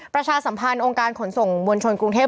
ประชาสัมพันธ์องค์การขนส่งมวลชนกรุงเทพ